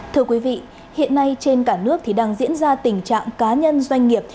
thưa quý vị hiện nay trên cả nước thì đang diễn ra tình trạng cá nhân doanh nghiệp